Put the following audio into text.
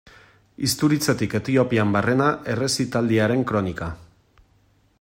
Isturitzetik Etiopian barrena errezitaldiaren kronika.